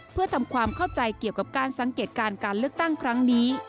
เพื่อทำความเข้าใจเกี่ยวกับการสังเกตการณ์การเลือกตั้งครั้งนี้